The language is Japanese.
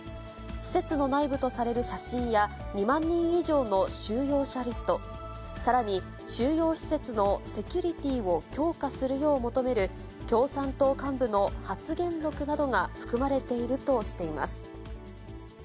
施設の内部とされる写真や、２万人以上の収容者リスト、さらに収容施設のセキュリティーを強化するよう求める、共産党幹部の発言録などが含まれているとしています。